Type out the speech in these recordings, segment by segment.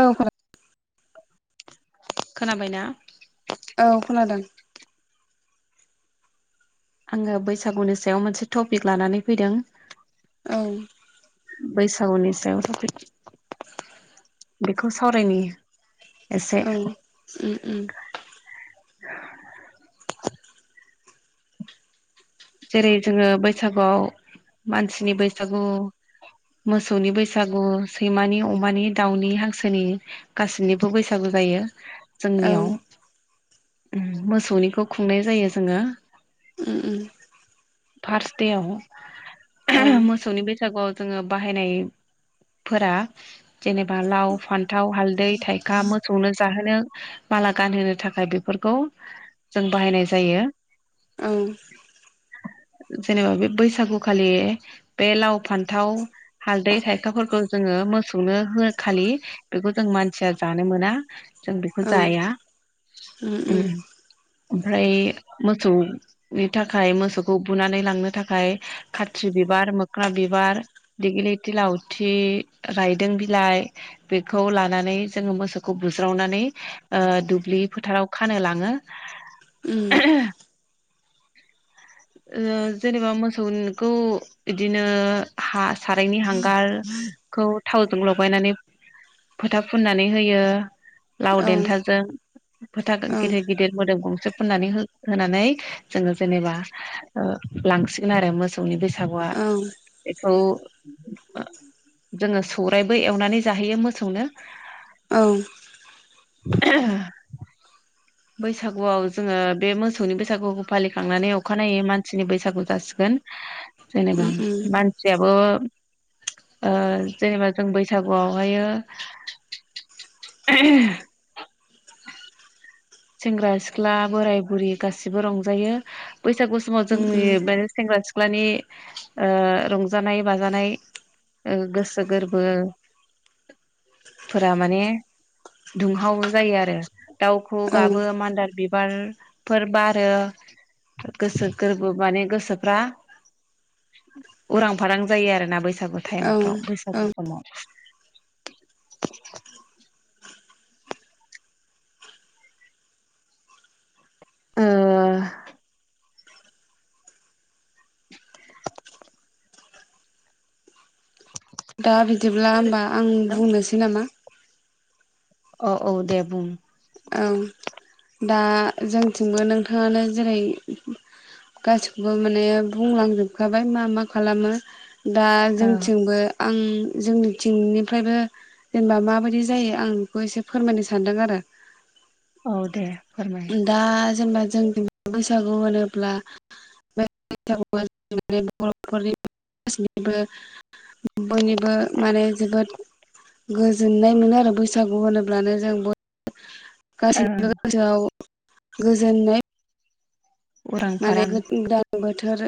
औ खो खोनाबायना औ खोनादों आङो बैसागुनि सायाव मोनसे टपिक लानानै फैदों औ बैसागुनि सायाव थपिक बेखौ सावरायनि एसे औ ओम ओम जेरै जोङो बैसागुआव मानसिनि बैसागु मोसौनि बैसागु सैमानि अमानि दाउनि हांसोनि गासैनिबो बैसागु जायो औ जोंनियाव मोसौनिखौ खुंनाय जायो जोङो उम उम फार्स्ट देयाव औ ओहोम मोसौनि बै बैसागुआव जोङो बाहायनायफोरा जेनेबा लाव फान्थाव हालदै थाइखा मोसौनो जाहोनो माला गानहोनो थाखाय बेफोरखौ जों बाहायनाय जायो औ जेनेबा बे बैसागु खालि बे लाव फान्थाव हालदै थाइखाफोरखौ जोङो मोसौनो हो खालि बेखौ जों मानसिया जानो मोना जों बेखौ औ जाया उम उम ओमफ्राय मोसौनि थाखाय मोसौ खौ बुनानै लांनो थाखाय खाथ्रि बिबार मोख्ना बिबार दिग्लिथि लावथि रायदों बिलाइ बेखौ लानानै जोङो मोसौखौ बुज्रावनानै ओ दुब्लि फोथाराव खानो लाङो उम ओहोम ओ जेनेबा मोसौखौ बिदिनो हा सारायनि हांगारखौ थावजों लगायनानै फोथा फुननानै होयो। औ लाव देन्थाजों फोथा औ गिदिर गिदिर मोदोम गंसे [unintelligible] फुननानै होनानै जोङो जेनेबा ओ लांसिगोन आरो मोसौनि बैसागुआ औ औ जोङो सौरायबो एवनानै जाहोयो मोसौनो औ [inaudible] बैसागुआव जोङो बे मोसौनि बैसागुखौ फालिखांनानै अखानायै मानसिनि बैसागु जासिगोन उम जेनेबा उम मानसिया बो ओ जेनेबा जों बैसागुआव हाययो [inaudible] सेंग्रा सिख्ला बोराइ बुरि गासैबो रंजायो। बैसागु समाव उम जोंनि लाइमोन सेंग्रा सिख्ला सिख्लानि ओ रंजानाय बाजानाय ओ गोसो गोरबो फोरा माने दुंहाव जायो आरो दाउ खौऔ उम गाबो औ मान्दार बिब बारफोर बारो गोसो गोरबो माने गोसोफ्रा उरां फारां जायो आरोना बै बैसागु औ टाइमफ्राव बैसागु [unintelligible] ओ दा बिदिब्ला होमबा आं बुंनोसै नामा अ औ दे बुं औ दा जोंथिंबो नोंथाङानो जेरै गासिखौबो माने बुंलांजोबखाबाय मा मा खालामो दा औ जोंथिंबो ओं जोंनि थिंनिफ्रायबो जेनेबा माबायदि जायो आं बेखौ एसे फोरमायनो सानदों आरो औ दे फोरमाय [unintelligible] गासिनिबो बयनिबो माने जोबोर गोजोननाय मोनो आरो बैसागु होनोब्लानो जों ब ओ गासैनिबो गोसोआव गोजोननाय उरां माने फारां गोदान बोथ थोर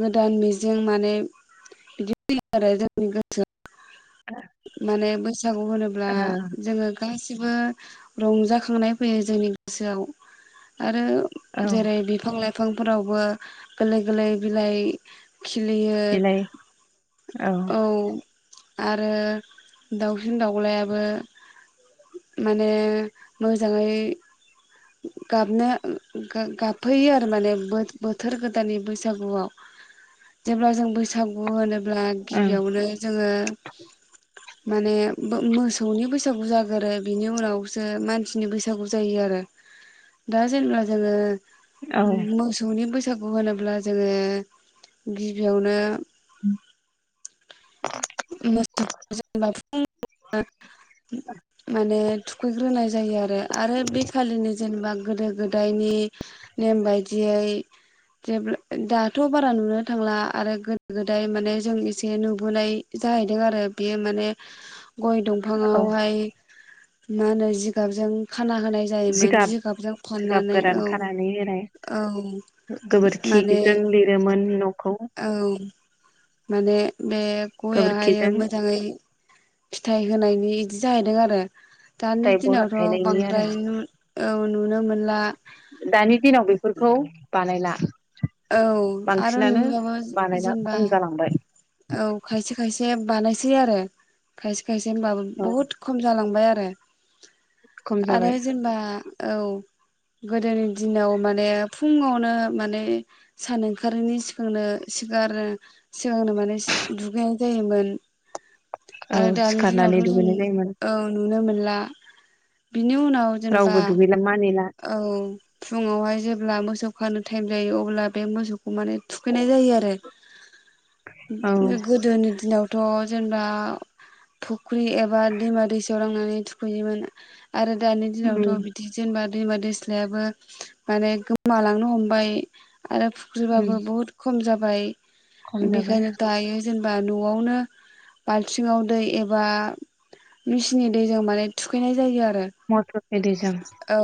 गोदान मिजिं माने बिदि फैयो आरो जोंनि गोसोआव माने बैसागु होनोब्ला ओ जोङो गासिबो रंजाखांनाय फैयो जोंनि गोसोआव आरो औ जेरै बिफां-लाइ फांफोरावबो गोललै गोललै बिलाइ खिलियो बिलाइ औ। ओ दाउसिन दाउलायाबो माने मोजाङै गाबनो गा-गाबफैयो आरो माने बोथ बोथोर गोदाननि बैसागुआव जेब्ला जों बैसागु होनो ब्ला ओं गिबियावनो जोङो माने बो मोसौनि बैसागु जागोरो बिनि उनावसो मानसिनि बैसागु जायो आरो। दा जेनेबा जोङो औ मोसौनि बैस सागु होनोब्ला जोङो गिबियावनो मोसौखौ [unintelligible] माने थुखैग्रोनाय जायो आरो। आरो बे नि जेनेबा गोदो गोदायनि नेम बायदियै जेब्ला दाथ' बारा नुनो थांला आरो गोदो गोदाय माने जों एसे नुबोनाय जाहैदों आरो बेयो माने गय औ दंफाङावहाय मा होनो जिगाबजों खाना होनाय जायोमोन जिगाब जिगाबजों जिगाब फाननानै गोरान औ खानानै होनाय औ माने गोबोरखिजों लिरोमोन न'। औ। माने बे गययावहायो गोबोरखिजों मोजाङै फिथाइ होनो नि इदि जाहैदों आरो। दानि फिथाइ बरा दिनावथ' थायनायनि आरो बांद्राय नु औ नुनो मोनो दानि दिनाव बेफोरखौ बानायला। औ आरो बांसिनानो नुयोबाबो बानायला जेनेबा खम जालांबाय औ खायसे खायसे या बानायसै आरो खायसे खायसे होनबाबो औ बुहुत खम जालांबाय आ रो। खम आरो जाबाय जेनेबा औ गोदोनि दिनाव माने फुङावनो माने सान ओंखारनि सिगांनो सिगां सिगांनो माने एसे दुगैनाय जायोमोन। औ आरो दानि दिनावथ' सिखारनानै जों दुगैनाय जायोमोन औ नुनो मोनो। ला बिनि उनाव जेनेबा रावबो दुगैला मानिला औ फुुङावहाय जेब ब्ला मोसौ खानो टाइम जायो अब्ला बे मोसौखौ माने थुखैनाय जायो आरो। औ [unintelligible] गोदोनि दिनावथ' जेनेबा धुप फुख्रि एबा दैमा-दैसायाव लां नानै थुखैयोमोन। आरो दानि दिनावथ' उम बिदि जेनेबा दैमा -दैस्लायाबो माने गोमालांनो हमबाय। आरो उम फुख्रिबाबो बहुत खम जा बाय। खम जाबाय बेखायनो दायो जेनेबा न'आवनो बाल्थिङाव दै एबा मेसिननि दैजों माने थुखैनाय जायो आर मटर एरिजों। औ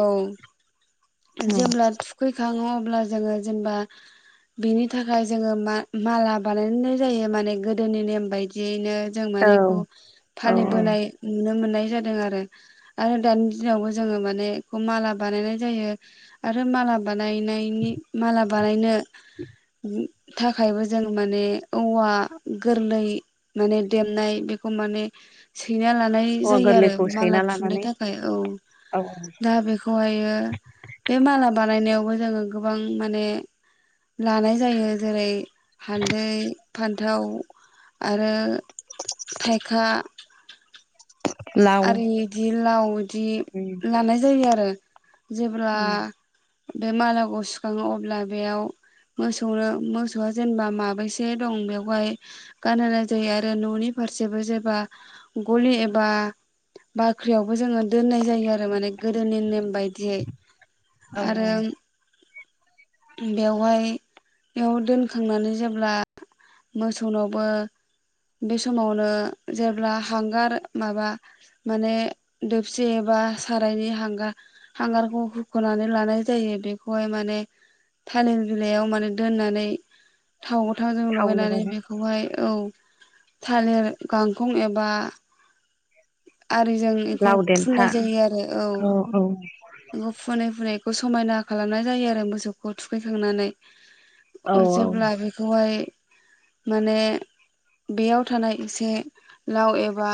औ जेब्ला थुखैखाङो अ ब्ला जोङो जेनेबा बिनि थाखाय जोङो मा-माला बानायनाय जायो माने गोदोनि नेम बायदियैनो जों औ माने एखौ औ फालिबोनाय नुनो मोननाय जादों आरो आरो दानि दिनावबो जोङो माने माला बानायनाय जायो आरो माला बा नायनायनि माला बानायनो उम थाखायबो जों माने औवा गोरलै माने देमनाय बेखौ माने सैना ला नाय औवा जायो आरो गोरलैखौ माला सैना थुनो लानानै थाखाय औ। औ बेखौहायो बे माला बानायनायावबो जोङो गोबां माने लानाय जायो जेरै हाल्दै फान्थाव आरो थायका। लाव आरो इदि लाव बिदि उम लानाय जायो आरो जेब्ला उम बे मालाखौ सुखाङो अब्ला बेयाव मोसौनो मोसौआ जेनेबा माबैसे दं बेवहाय गानहोनाय जायो आरो न'नि फारसेबो जेबा गलि एबा बाख्रियावबो जोङो दोननाय जायो आरो माने गोदोनि नेम बायद। दियै औ आरो औ बेवहाय बेयाव दोनखांनानै जेब्ला मोसौनावबो बे समावनो जेब्ला हांगार माबा माने दोबसि एबा सारायनि हांगार हांगारखौ होख'नानै लानाय जायो बेखौहाय माने थालिर बिलाइयाव माने दोननानै थाव गोथावजों थाव लगायनानै लगायना बेखौहाय औ थालिर गांखं एबा आरिजों बेखौ लाव देन्था फुननाय जायो आरो औ बेखौ फुनै फुनै बे समायना खालामनाय जायो आरो मोसौखौ थुखैखांनानै औ जेब्ला बेखौहाय माने बेयाव थानाय एसे लाव एबा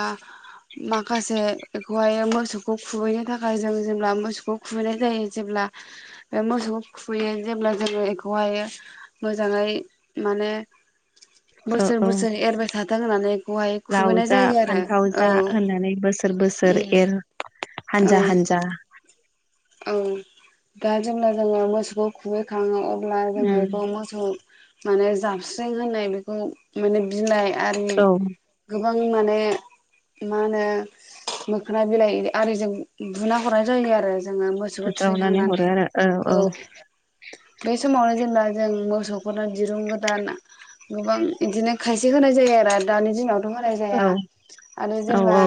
माखासे बेखौहाय मोसौखौ खुबैनो थाखाय जों जेब्ला मोसौखौ खुबैनाय जायो जेब्ला बे मोसौखौ खुबैयो जेब्ला जोङो बेखौहाय मोजाङै माने औ बोसोर औ बोसोर एरबाय था थों होननानै बेहाय खुबोनाय जायो आरो औ नानै बोसोर बोसोर उम एर औ हानजा हानजा औ दा जेब्ला जोङो मोसौखौ खुबैखाङो अब्ला ब्ला उम जोङो मोसौ माने जाबस्रिं होनाय बेखौ माने बिलाइ आरो औ गोबां माने मा होनो मोखोना बिलाइ आरिजों बुना हरनाय जायो आरो जो मोसौखौ फोज्रावनानै हरो थुखैखांनानै आरो औ बे समावनो होनब्ला जों मोसौ गोदान दिरुं गोदान गोबां बिदिनो खायसे होनाय जायो आरो दानि दिनावथ' होनाय जाया औ औ आरो औ जेनेबा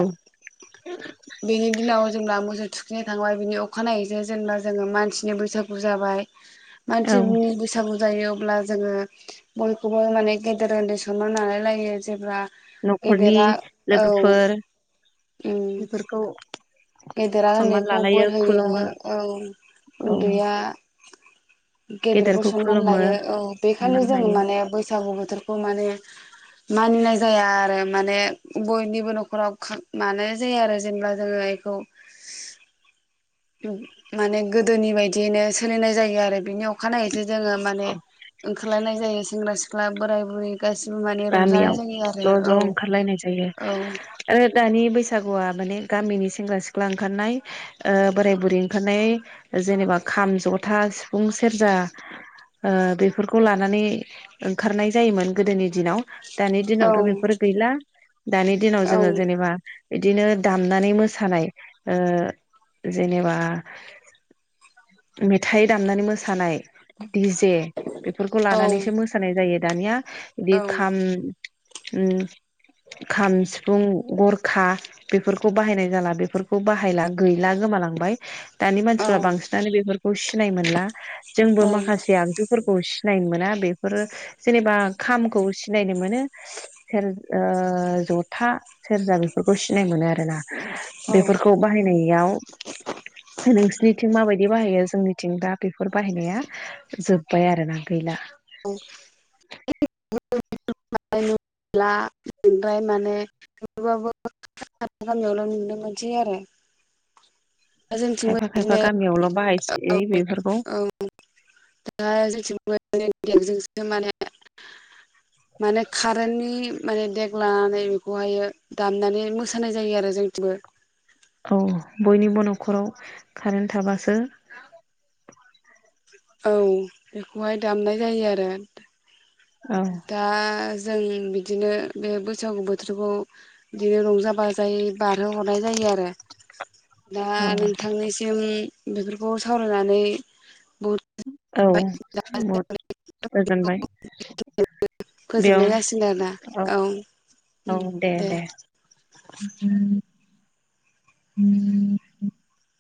बेनि दिनाव जे मोसौ थु बिनि थांबाय बिनि अ खानायैजों जेनेबा जोङो मानसिनि बैसागु जाबाय औ मानसिनि बैसागु जायो अब्ला जोङो बयखौबो माने गेदेर उन्दै सनमान नालायलायो जेब्ला नखरनि गेदेरा औ लोगोफोर उम बेफोरखौ गेदेरा सनमान उन्दैखौ बोर लालायो होयो खुलुम औ औ उन्दैया गेदेरबो गेदेरखौ सनमान खुलुमो लायो औ बेखायनो सनमान जों लायो माने बैसागु बेखौ माने मानिनाय जाया आरो माने बयनिबो न'खराव मानाय जाया आरो जेनेबा जोङो बेखौ माने गोदोनि बायदियैनो सोलिनाय जायो आरो बिनि अ खानायैसो जोङो माने ओंखारलायनाय जायो सेंग्रा सि क्लाब बोराय बुरै गासिबो माने रंजानाय गामियाव जायो आरो ज ज औ ओंखारलायनाय जायो ओद दानि बैसागुआ माने गामिनि सेंग्रा सिख्ला ओंखारनाया ओ बोराय बुरै ओंखारनाय जेनेबा खाम जथा सिफुं सेरजा बेफोरखौ लानानै ओंखारनाय जायोमोन गोदोनि दिनाव दानि औ दिनावथ बेफोर गैला दानि दिनाव औ जोङो जेनेबा इदिनो दामनानै मोसानाय ओ जेनेबा मेथाइ दामनानै मोसानाय द डिजजे बेफोरखौ औ लानानैसो मोसानाय जायो दानिया बिदि औ खाम ओम खाम सिफुं गरखा बेफोरखौ बाहायनाय जाला बेफोरखौ बाहायला गैला गोमालांबाय दानि मानसिफ्रा औ बांसिनानो बेफोर सिनाय मोनला जोंबो माखासे आगजुफोरखौ नायनो मोना बेफोरो जेनेबा खामखौ सिनायनो मोनो सेरज ओ जथा सेरजा बेफोरखौ सिनायनो मोनो आरोना बेफोरखौ बाहायनायाव नोंसिनिथिं माबायदि बिदि बाहायो जोंनिथिं दा बेफोर बाहायनाया जोब्बाय आरोना गैला औ [unintelligible] नुला मोनबाय माने थबाबो गामियावल नुनो मोनसै आरो दा जोंथिंबो खायफा खायफा बिदिनो गामियावल बाहायसयै बेफोरखौ औ ज देगजोंसो माने माने कारेन्टनि माने देग लानानै बेखौहायो दामनानै मोसानाय जायो आरो जोंथिबो औ बयनिबो नखराव कारेन्ट थाबासो औ बेखौहाय दामनाय जायो आरो औ दा जों बिदिनो बे बैसागु बोथोरखौ बिदिनो रंजा बाजायै बारहोहरनाय जायो आरो दा औ नोंथांनिसिम बेफोरखौ सावरायनानै बहुद औ बहुद गोजोनबाय। फोजोबनाय बेयाव जासिगोन आरोना औ दे [inaudible]